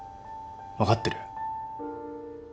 分かってる